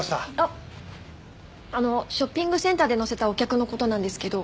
ショッピングセンターで乗せたお客の事なんですけど。